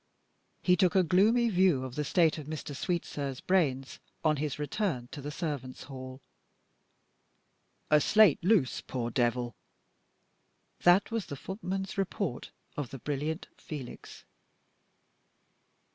He took a gloomy view of the state of Mr. Sweetsir's brains on his return to the servants' hall. "A slate loose, poor devil!" That was the footman's report of the brilliant Felix.